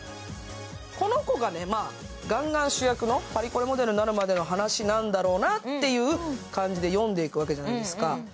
この子がガンガン主役のパリコレモデルになるまでの話なんだろうなと読んでいくわけじゃないですか。